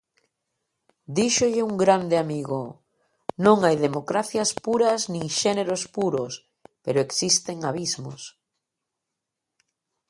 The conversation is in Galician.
Díxolle un grande amigo: non hai democracias puras nin xéneros puros, pero existen abismos.